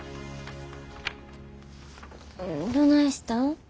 どないしたん？